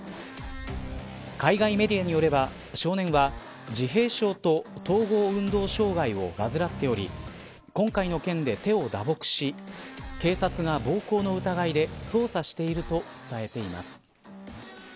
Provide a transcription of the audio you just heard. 海外メディアによれば、少年は自閉症と統合運動障害を患っており今回の件で手を打撲し警察が暴行の疑いで捜査していると伝えています。